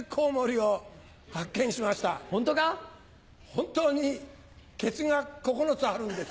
本当にケツが９つあるんです。